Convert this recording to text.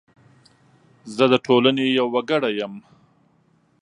زه د ټولنې یو وګړی یم .